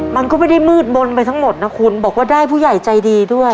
มันก็ไม่ได้มืดมนต์ไปทั้งหมดนะคุณบอกว่าได้ผู้ใหญ่ใจดีด้วย